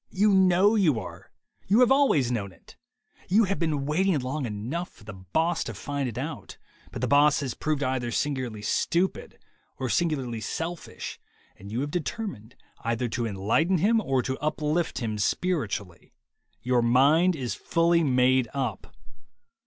You know you are. You have always known it. You have been waiting long enough for the boss to find it out, but the boss has proved either singu larly stupid or singularly selfish, and you have determined either to enlighten him or to uplift him spiritually. Your mind is fully made up.